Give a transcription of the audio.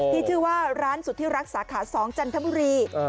ที่ชื่อว่าร้านสุธิรักสาขา๒จันทบุรี